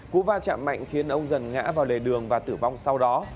cú va chạm mạnh khiến ông dần ngã vào lề đường và tử vong sau đó